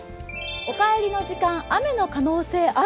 お帰りの時間、雨の可能性あり。